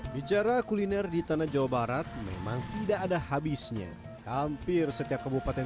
bicara kuliner di tanah jawa barat memang tidak ada habisnya hampir setiap kabupaten